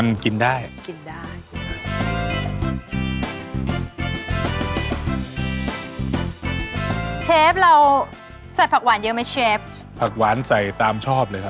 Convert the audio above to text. เชฟเราใส่ผักหวานเยอะไหมเชฟผักหวานใส่ตามชอบเลยครับ